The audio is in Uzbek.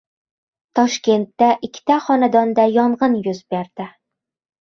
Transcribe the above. Toshkentda ikkita xonadonda yong‘in yuz berdi